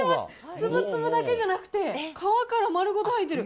粒々だけじゃなくて、皮から丸ごと入ってる。